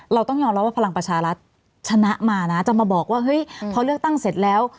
เราต้องยอมรับว่าพลังประชารัฐชนะมานะจะมาบอกว่าเฮ้ยพอเลือกตั้งเสร็จแล้ว